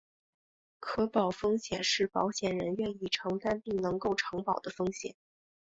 可保风险是保险人愿意承保并能够承保的风险。